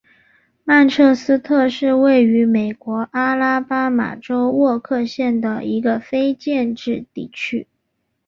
曼彻斯特是位于美国阿拉巴马州沃克县的一个非建制地区。